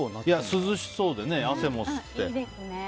涼しそうでね、汗も吸って。